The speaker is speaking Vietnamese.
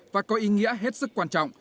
và có ý nghĩa hết sức quan trọng